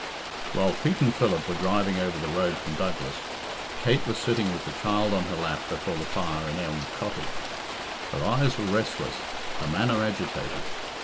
XIV. While Pete and Philip were driving over the road from Douglas, Kate was sitting with the child on her lap before the fire in Elm Cottage. Her eyes were restless, her manner agitated.